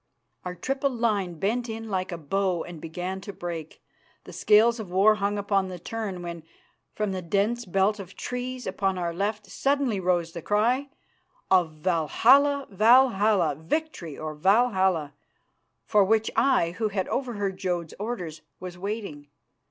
Our triple line bent in like a bow and began to break. The scales of war hung on the turn, when, from the dense belt of trees upon our left, suddenly rose the cry of "Valhalla! Valhalla! Victory or Valhalla!" for which I, who had overheard Jodd's orders, was waiting.